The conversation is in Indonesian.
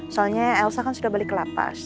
soalnya elsa kan sudah balik ke lapas